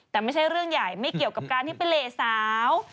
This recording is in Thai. แต่ไม่ใช่เรื่องใหญ่ไม่เกี่ยวกับการที่ไปเหลสาว